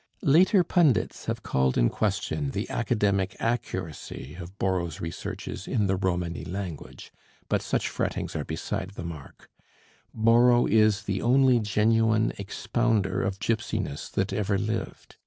Later pundits have called in question the academic accuracy of Borrow's researches in the Romany language: but such frettings are beside the mark; Borrow is the only genuine expounder of Gipsyness that ever lived.